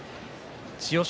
千代翔